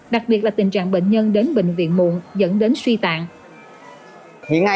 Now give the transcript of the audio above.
đặc biệt là tình trạng bệnh nhân đến bệnh viện muộn dẫn đến suy tạng